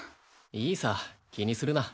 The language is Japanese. いいさ気にするな。